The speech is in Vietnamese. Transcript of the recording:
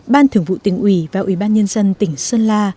ban thưởng vụ tỉnh ủy và ủy ban nhân dân tỉnh sơn la